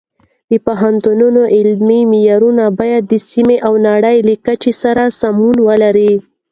د پوهنتونونو علمي معیارونه باید د سیمې او نړۍ له کچې سره سمون ولري.